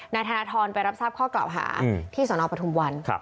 นาธนธรไปรับทราบข้อเกราะหาที่สนองประธุมวัน